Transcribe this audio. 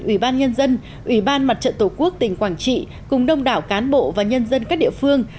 ủy ban nhân dân ủy ban mặt trận tổ quốc tỉnh quảng trị cùng đông đảo cán bộ và nhân dân các địa phương